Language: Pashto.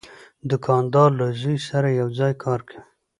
دوکاندار له زوی سره یو ځای کار کوي.